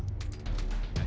gitu lah pak